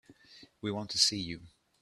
We want to see you.